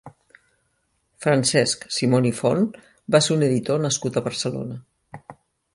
Francesc Simon i Font va ser un editor nascut a Barcelona.